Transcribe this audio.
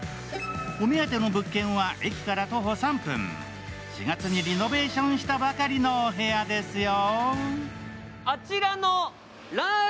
お目当ての物件は駅から徒歩３分、４月にリノベーションしたばかりのお部屋ですよ。